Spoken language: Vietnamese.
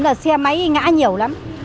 là xe máy ngã nhiều lắm